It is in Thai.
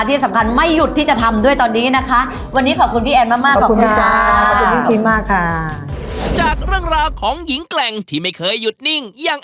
ที่สำคัญไม่หยุดที่จะทำด้วยตอนนี้นะคะ